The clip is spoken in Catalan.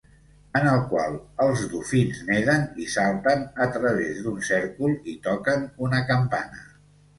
En el qual els dofins neden i salten a través d"un cèrcol i toquen una campana.